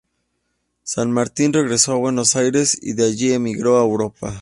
San Martín regresó a Buenos Aires, y de allí emigró a Europa.